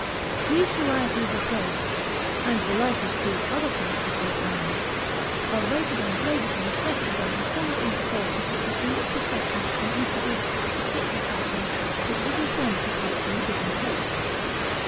These varieties of dogs and the like is true of other fancy bred animals are rated and graded in aesthetic value somewhat in proportion to the degree of grotesqueness and instability of the particular fashion which the deformity takes in the given case.